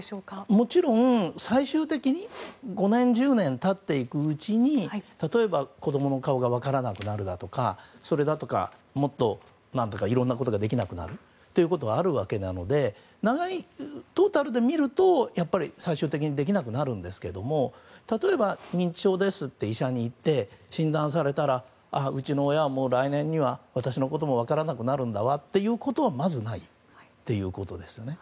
もちろん、最終的に５年、１０年経っていくうちに例えば、子供の顔が分からなくなるだとかあとは、もっといろんなことができなくなることがあるのでトータルで見ると最終的にできなくなるんですが例えば、認知症ですって医者に行って診断されたらうちの親は来年には私のことも分からなくなるんだわということはまず、ないということですね。